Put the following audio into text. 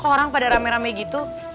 orang pada rame rame gitu